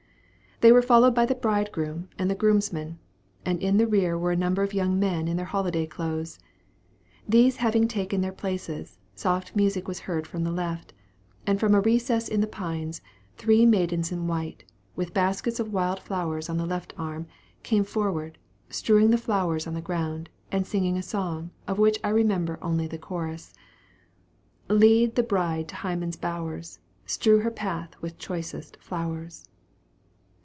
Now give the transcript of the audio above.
They were followed by the bridegroom and grooms man, and in the rear were a number of young men in their holiday clothes. These having taken their places, soft music was heard from the left; and from a recess in the pines, three maidens in white, with baskets of wild flowers on the left arm, came forth, strewing the flowers on the ground, and singing a song, of which I remember only the chorus: "Lead the bride to Hymen's bowers, Strew her path with choicest flowers."